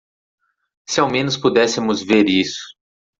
Se ao menos pudéssemos ver isso.